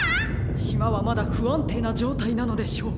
しまはまだふあんていなじょうたいなのでしょう。